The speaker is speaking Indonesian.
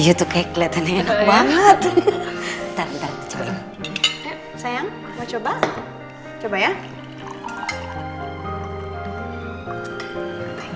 youtube kek banget sayang mau coba coba ya